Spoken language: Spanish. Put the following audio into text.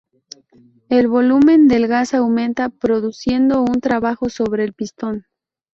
El volumen del gas aumenta produciendo un trabajo sobre el pistón.